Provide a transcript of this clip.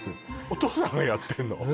お父さんがやってんの？